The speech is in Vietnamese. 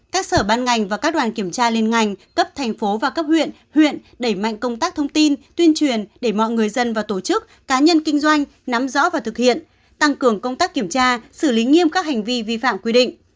các sở ban ngành và các đoàn kiểm tra liên ngành cấp thành phố và cấp huyện huyện đẩy mạnh công tác thông tin tuyên truyền để mọi người dân và tổ chức cá nhân kinh doanh nắm rõ và thực hiện tăng cường công tác kiểm tra xử lý nghiêm các hành vi vi phạm quy định